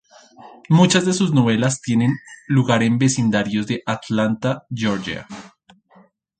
Muchas de sus novelas tienen lugar en vecindarios de Atlanta, Georgia.